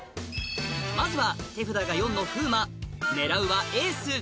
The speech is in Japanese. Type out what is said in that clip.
まずは手札が４の風磨狙うはエース